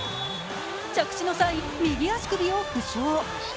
着地の際、右足首を負傷。